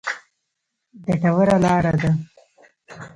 ګټوره لاره ده.